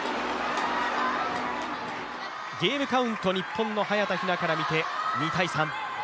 ゲームカウント、日本の早田から見て２−３。